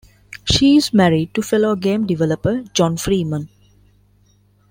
She is married to fellow game developer Jon Freeman.